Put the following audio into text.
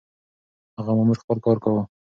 هغه مامور خپل کار کاوه.